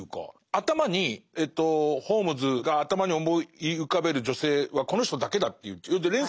頭にホームズが頭に思い浮かべる女性はこの人だけだ」という連載